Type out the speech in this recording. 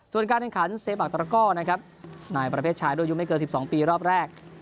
ส่วนการแข่งขันเซบักตระก้อนะครับในประเภทชายด้วยอายุไม่เกิน๑๒ปีรอบแรก